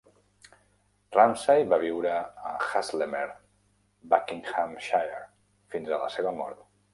Ramsay va viure a Hazlemere (Buckinghamshire) fins a la seva mort.